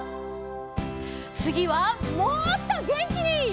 つぎはもっとげんきに！